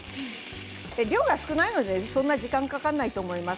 量が少ないので、そんなに時間がかからないと思います。